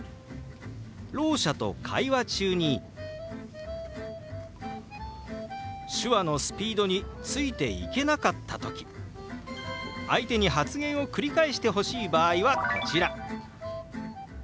ろう者と会話中に手話のスピードについていけなかった時相手に発言を繰り返してほしい場合はこちら。